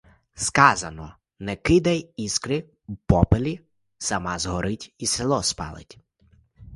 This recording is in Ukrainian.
Сказано не кидай іскри в попелі — сама згорить і село спалить.